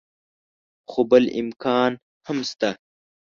خو بل امکان هم شته.